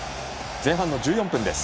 前半の１４分です。